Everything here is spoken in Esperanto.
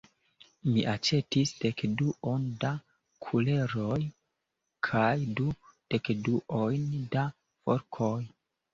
Mi aĉetis dekduon da kuleroj kaj du dekduojn da forkoj.